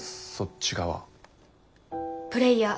プレーヤー。